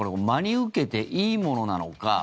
真に受けていいものなのか。